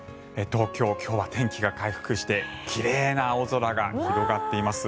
東京、今日は天気が回復して奇麗な青空が広がっています。